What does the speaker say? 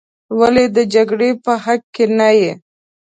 ولې د جګړې په حق کې نه یې.